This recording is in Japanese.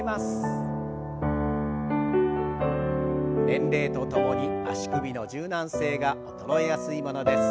年齢とともに足首の柔軟性が衰えやすいものです。